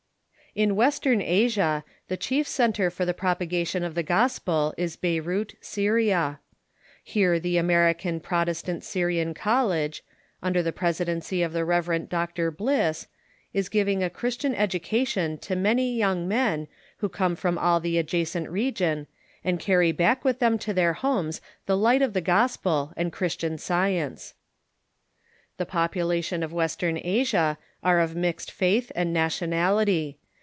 In Western Asia the chief centre for the propagation of the gospel is Beirut, Syria. Here the American Protestant Syri an College, under the presidency of the Rev. Ur. Western Asia ...... Bliss, is giving a Christian education to many young men, who come from all the adjacent region, and carry back with them to their homes the light of the gospel and Christian science. The population of Western Asia are of mixed faith and nationality.